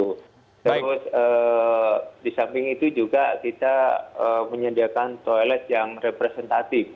terus di samping itu juga kita menyediakan toilet yang representatif